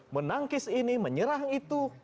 menangkis ini menyerang itu